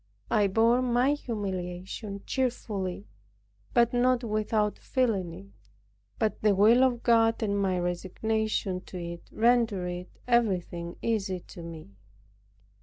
I bore my humiliation cheerfully, but not without feeling it. But the will of God and my resignation to it rendered everything easy to me.